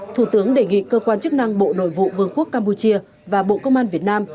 thủ tướng đề nghị cơ quan chức năng bộ nội vụ vương quốc campuchia và bộ công an việt nam